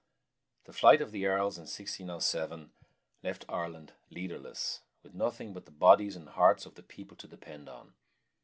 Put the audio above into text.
The flight of the Earls in 1607 left Ireland leaderless, with nothing but the bodies and hearts of the people to depend on.